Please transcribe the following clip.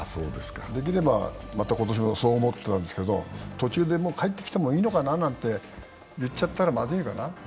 できればまた今年も、そう思っていたんですけど、途中で帰ってきてもいいかななんて言っちゃったらまずいかな。